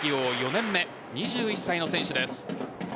４年目２１歳の選手です。